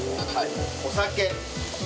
お酒。